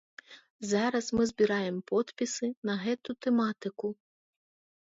Зараз мы збіраем подпісы на гэту тэматыку.